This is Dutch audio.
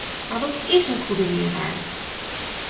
Maar wat is een goede leraar?